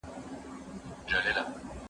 دا کتابتون له هغه ارام دی،